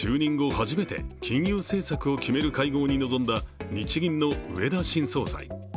初めて金融政策を決める会合に臨んだ日銀の植田新総裁。